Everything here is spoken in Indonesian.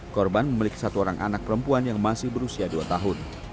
korban memelik satu orang anak perempuan yang masih berusia dua tahun